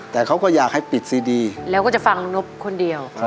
แต่เขาก็อยากให้ปิดซีดีแล้วก็จะฟังนบคนเดียว